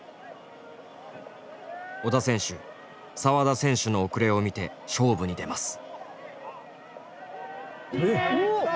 織田選手沢田選手の遅れを見て勝負に出ます。